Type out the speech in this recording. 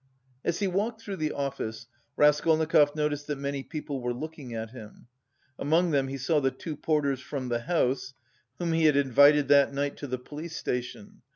As he walked through the office, Raskolnikov noticed that many people were looking at him. Among them he saw the two porters from the house, whom he had invited that night to the police station.